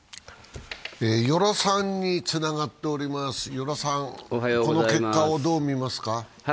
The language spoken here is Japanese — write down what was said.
与良さんにつながっています、この結果をどう見ますか？